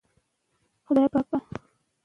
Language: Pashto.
د ادارې په چارو کې د وړتیا ښودل مهم دي.